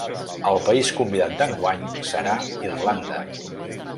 El país convidat d’enguany serà Irlanda.